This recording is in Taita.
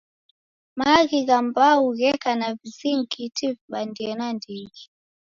Maaghi gha mbau gheka na vizingiti vibandie nandighi.